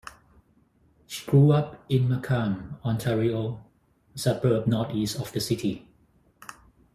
She grew up in Markham, Ontario, a suburb northeast of the city.